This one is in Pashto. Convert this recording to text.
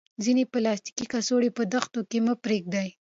خپلې پلاستیکي کڅوړې په دښتو کې مه پریږدئ.